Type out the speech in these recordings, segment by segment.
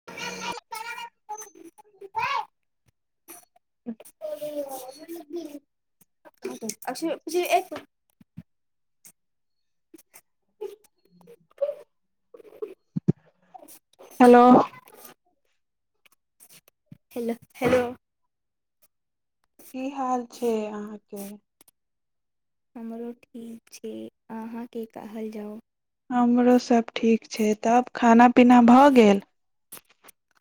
[inaudible] [inaudible] [inaudible] हलो hello hello की हाल छै अहाँके हमरो ठीक छी अहाँके कहल जाउ हमरो सब ठीक छै तब खाना पीना भ गेल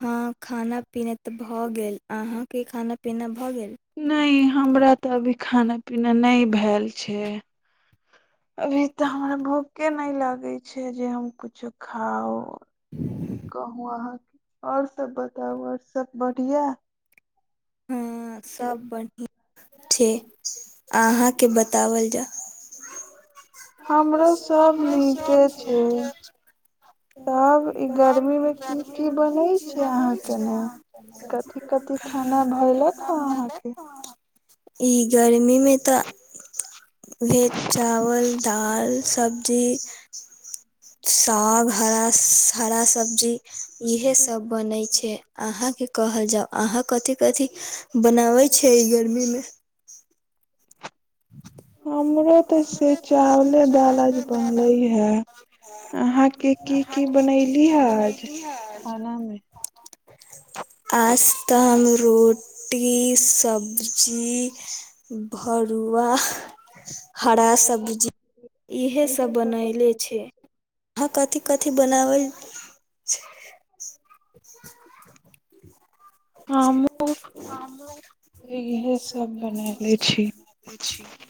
हँ खाना पीना त भ गेल अहाँके खाना पीना भ गेल नै हमरा त अभी खाना पीना नहि भैल छै अभी त हमरा भूखे नै लागे छै जे हम कुछो खाउ कहु अहाँ और सब बताउ ओर सब बढ़िया हँ ह सब बढ़िआं ठीक अहाँके बताबल जाउ [inaudible] त [inaudible] [inaudible] हमरो सब नीके छै तब ई गर्मी मे की की बनै छै अहाँके ने कथि कथि खाना भयलक ह अहाँके ई गर्मी मे त लेट चावल फल सब्जी साग हरास हरा सब्जी इहे सब बनै छै अहाँके कहल जाउ अहाँ कथी कथी बनबै छियै ऐ गर्मी मे हमरो त से हमरे तऽ चावले दाल आज बनलै है बनैली [inaudible] ह आज बनैलिहे आज खाना मे आजत हम रोटी सब्जी भ भरूआ हरा सब्जी इहे सब बनैले छियै अहा कथी कथी बनाबल [inaudible] हमहुँ इहे सब बनैले छी [inaudible]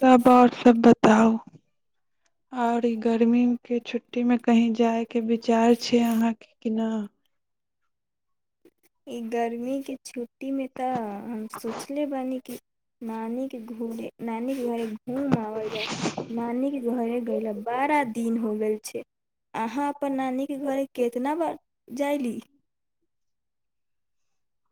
तब आर सभ बताउ ओर ई गर गर्मी छुट्टीमे कही जाइके विचार छै अहाँके कि नहि ई गर्मीके छुट्टीमे तऽ हम सोचले बानी कि नानी के घुमे नानी के घरे घूम आबल जाय नानीके घरे गैइला बरा दिन हो गेल छै अहाँ अपन नानीके घरे केतना बार जइली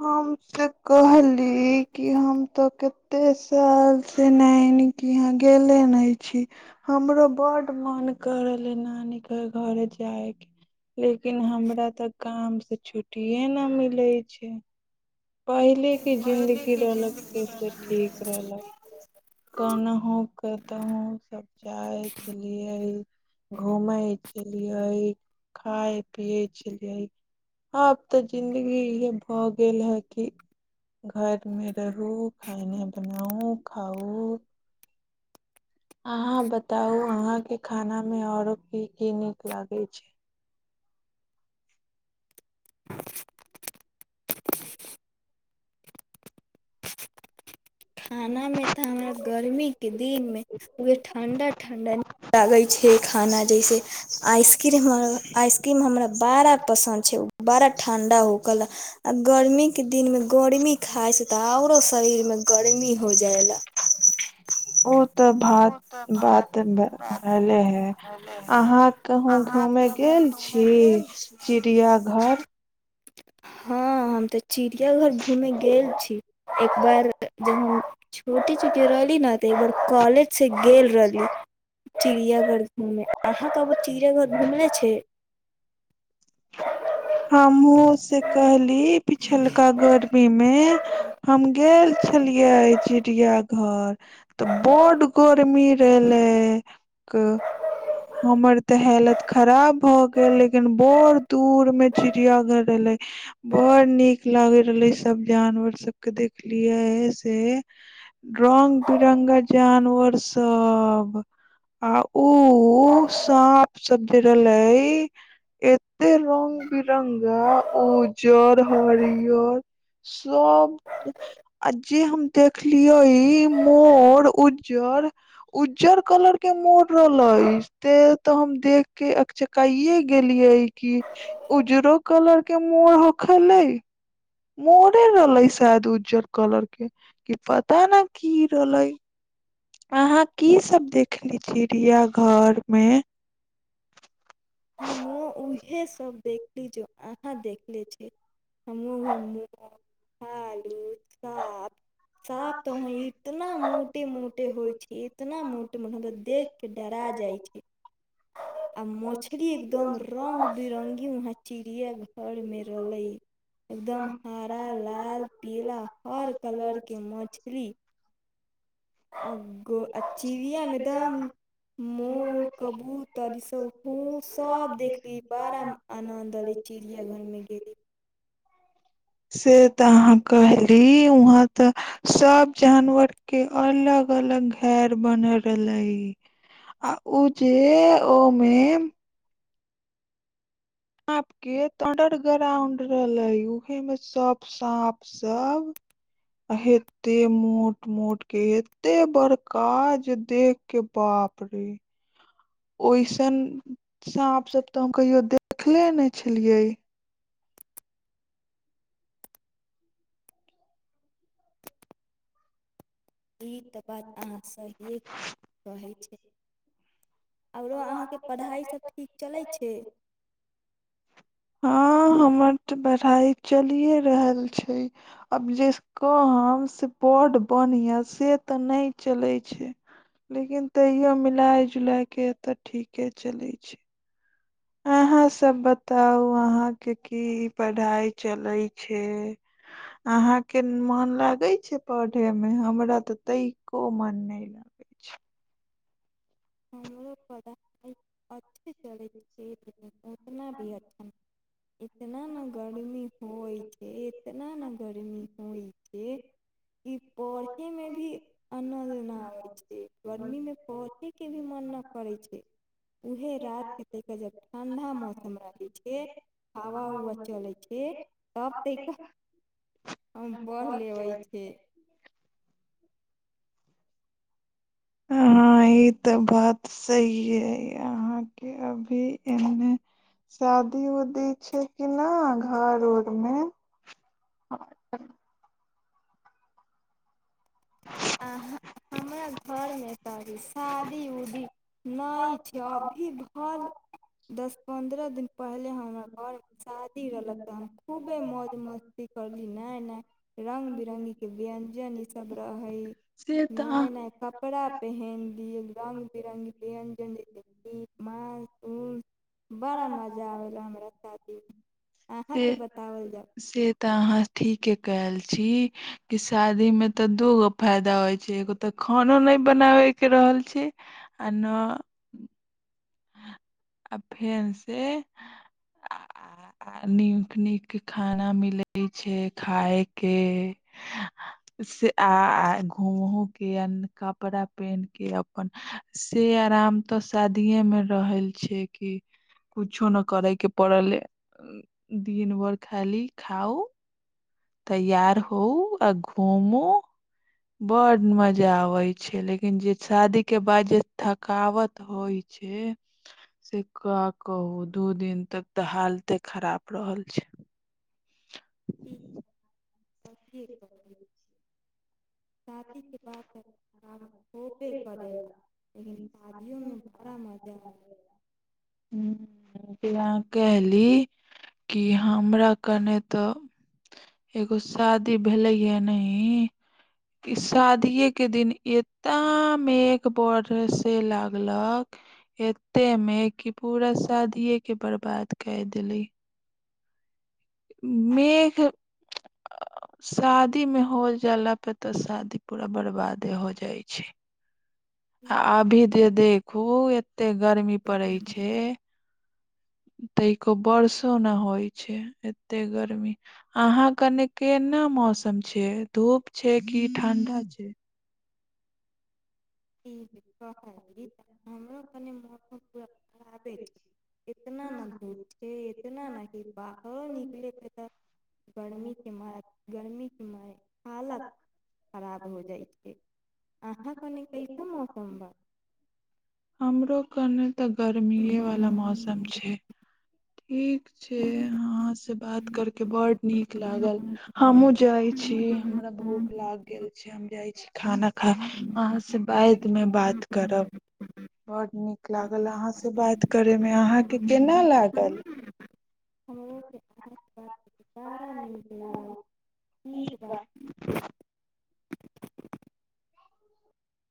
हम तऽ कहली कि हम तऽ कतेक साल से नैनी के यहाँ गेले नहि छी हमरो बड मन कऽ रलहे नानी के घर जाय के लेकिन हमरा तऽ काम सँ छुट्टीेये न मिले छै पहिले कऽ जिंन्दगी रहलक तऽ से ठीक रहलक कनहु कतहुँ सब जाए छलियै घूमैय छलियै खाय पिय छलियै आब तऽ जिंन्दगी इहे भऽ गेल हें कि घर मे रहु खाना बनाउ खाउ अहाँ बताउ अहाँके खाना में ओरो की की निक लागे छै खानामे तऽ हमरा गर्मीके दिनमे ठण्डा-ठण्डा लागै छै खाना जैसे आइस्क्रिम आइस्क्रिम हमरा बड़ा पसन्द छै। [unintelligible] [unintelligible] [unintelligible] ओ तऽ भात बात हले हे अहाँ कहूँ घूमे अहाँके गेल छी [unintelligible] गेल छी चिड़िया घर हँ हम ते चिड़ियां घर घूमे गेल छी एक बार [unintelligible] [unintelligible] [inaudible] [unintelligible] हम गेल छलियै चिड़ियांघर तऽ बड गरमी रहले। हमर ते हालत खराब भ गेल लेकिन बड़ दूर में चिड़ियांघर रहले। [unintelligible] [unintelligible] [unintelligible] एतेक रंग बिरंगा उजर हरियर सब आ जे हम [unintelligible] [unintelligible] [unintelligible] [unintelligible] अहाँ की सभ देखलि चिड़ियांघरमे। [unintelligible] हमहूँ भालू सांप सांप तऽ इतना मोटे मोटे होइ छै इतना मोटे मोट कि हमदेखिके के डरा जाइ छैय आ [unintelligible] [unintelligible] आ चिड़िया में एकदम मोर कबूतर ई सभ [unintelligible] [unintelligible] [unintelligible] [unintelligible] [unintelligible] सब एते मोट-मोट के एते बड़का जे देख के बाप रे ओइसन साँप सब तऽ हम कहियो देखले ने छलियै। ई तऽ बात अहाँ सहिए कहै छी। आरो अहाँके पढ़ाइसभ ठीक चलैत छैय। हँ हमर तऽ पढ़ाई चलिये रहल छैय। आब जे कहब से बड बढ़िया से तऽ नहि चलय छैय लेकिन तैयो मिला जुला के तऽ ठीके चलय छैय। अहाँ सब बताउ अहाँ के की पढ़ाई चलय छैय। अहांके मन लागय छैय पढ़यमे हमरा तऽ कनिको मन नहि लग [inaudible] उतना भी अच्छा, [unintelligible] इतना न गर्मी होइ छै। इतना न गर्मी होइ छै, ई पऽरहे में भी अनल ना आबै छै, गर्मी में देखैके भी मन ना करै छै। उहे रात कते के जब ठण्डा मौसम रहे छै। हवा-उवा चलै छै, तब त एकत हम पढ़ लेबै छै। हॉं ई तऽ बात सहीये अइ अहां के, अभी एहने शादी-उदी छै कि ना घर-उर में? अहां, हमरा घरमे तऽ अभी शादी-उदी नैय छै, अभी भल दस पन्द्रह दिन पहिले हमरा घरमे शादी रहलक तऽ हम खूबे मौज मस् ती करली नै-नै, रंग बिरंगी के व्यंजन ई सब रहैइ से तऽ नैय-नैय। कपड़ा अहाँ पहेन लियै, रंग बिरंग व्यञ्जन [unintelligible] मांस ऊंस। बड़ा मजा ऐला हमरा शादी, अहांके से बतावल जाउ? से तऽ अहाँ ठीके कए ऐल छी। कि शादी में तऽ दू गो फायदा होइ छै, एगो तऽ खानो नहि बनाबैक रहल छै। आ न आ फेन से आ आ नीक-नीक खाना मिलै छै खायके। से आ घुमहूं के, आ कपड़ा पेन्ह के अपन से आराम तो शादीेये में रहल छै कि, कुछो न करै के पड़ल अइ। दिन बर खाली खाउ तैयार हऊ आ घूमू। बड़ मजा आबै छै, लेकिन जे छादी के बाद जे थकावत होइ छै। से का कहू? दू दिन तक तऽ हालते खराप रहल छै। [unintelligible] छादी के बात त बात खोपे करै ला, लेकिन शादियोमे बड़ा मजा आय हूँम्म। [unintelligible] कहली क हमरा कने तऽ एगो शादी भेलै यैऽ नैय कि शादीेये के दिन एता मेघ बर से लागलक एते मेघ कि पूरा शादीेये के बर्बाद कै देली। मेघ शादी में हो जाला प तऽ शादी पूरा बर्बादे हो जाइ छै। हॅं, अभी जे देखू एते गर्मी पड़ै छै। तै एको बर्सो न होइ छै एते गर्मी अहां कने केना मौसम छै? धूप छै कि ठंडा छै? ई जे कहली त हमरो कनि मौसम पुरा खराबै छैय। इतना न धूप छै, इतना न कि बाहरो निकले पे त गर्मी के मार, गर्मी के मार, हालत खराब हो जाइ छै, अहाँ कनि कैसऽ मौसम बा? हमरो कने त गर्मीेये वाला बा मौसम छै ठीक छै अहां से बात करके बड नीक लागल हमहुँ जाइ छी हमरा भूख लाग गेल छै जाइ छी खाना खा अहाँ से बाइद मे बात करब बड नीक लागल अहाँ से बात करेमे अहाँके केना लागल हमरो के अहाँ के बात के दोबारा निक लागल ठीक बा [inaudible]